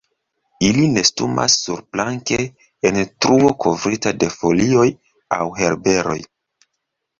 Ili nestumas surplanke, en truo kovrita de folioj aŭ herberoj.